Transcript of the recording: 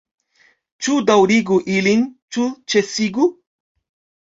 Ĉu daŭrigu ilin, ĉu ĉesigu?